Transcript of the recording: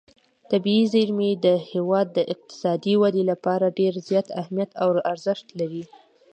طبیعي زیرمې د هېواد د اقتصادي ودې لپاره ډېر زیات اهمیت او ارزښت لري.